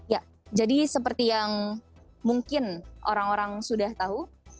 ya jadi seperti yang mungkin orang orang sudah tahu